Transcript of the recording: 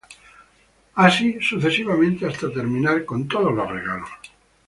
Así sucesivamente hasta terminar con todos los regalos.